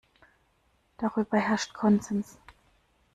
Darüber herrscht Konsens.